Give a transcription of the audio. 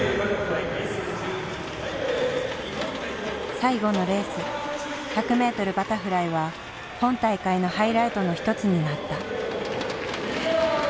最後のレース１００ｍバタフライは本大会のハイライトの一つになった。